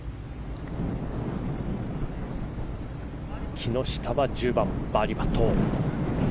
木下は１０番バーディーパット。